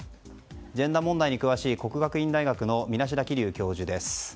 ジェンダー問題に詳しい國學院大學の水無田気流教授です。